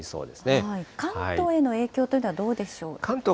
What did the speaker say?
関東への影響というのはどうでしょう。